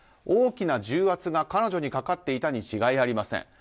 大きな重圧が彼女にかかっていたに違いありません。